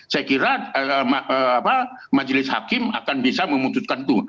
saya kira majelis hakim akan bisa memutuskan itu